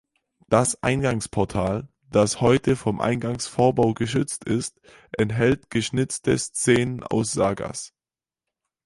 Das Eingangsportal, das heute vom Eingangsvorbau geschützt ist, enthält geschnitzte Szenen aus Sagas.